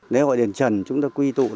lễ hội đền trần chúng ta quy tụ